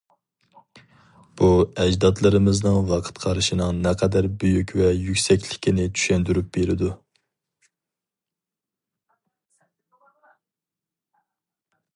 بۇ ئەجدادلىرىمىزنىڭ ۋاقىت قارىشىنىڭ نەقەدەر بۈيۈك ۋە يۈكسەكلىكىنى چۈشەندۈرۈپ بېرىدۇ.